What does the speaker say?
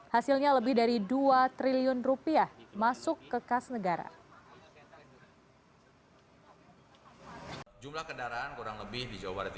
hasilnya lebih dari dua triliun rupiah masuk ke kas negara jumlah kendaraan kurang lebih di jawa barat